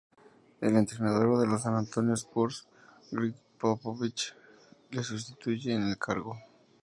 El entrenador de los San Antonio Spurs, Gregg Popovich, le sustituye en el cargo.